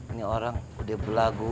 ini orang udah berlagu